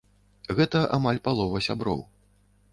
Гэта амаль палова сяброў.